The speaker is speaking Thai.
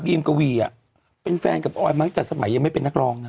บีมกะวีอ่ะเป็นแฟนกับอ้อยมากจากสมัยยังไม่เป็นนักรองน่ะ